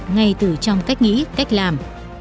ngay từ trong cách nghĩ cách làm